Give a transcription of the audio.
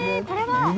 これは？